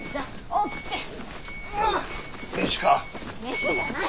飯じゃない！